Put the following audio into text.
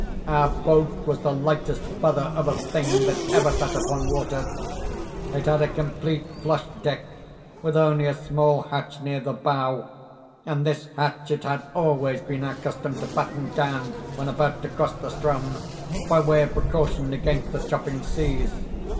"Our boat was the lightest feather of a thing that ever sat upon water. It had a complete flush deck, with only a small hatch near the bow, and this hatch it had always been our custom to batten down when about to cross the Ström, by way of precaution against the chopping seas.